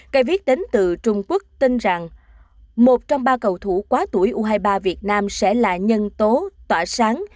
cây viết đến từ trung quốc tin rằng một trong ba cầu thủ quá tuổi u hai mươi ba việt nam sẽ là nhân tố tỏa sáng